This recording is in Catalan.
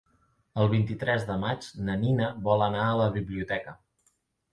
El vint-i-tres de maig na Nina vol anar a la biblioteca.